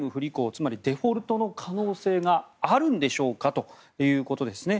つまり、デフォルトの可能性があるんでしょうかということですね。